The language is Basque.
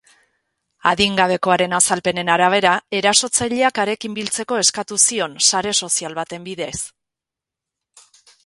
Adingabekoaren azalpenen arabera, erasotzaileak harekin biltzeko eskatu zion sare sozial baten bidez.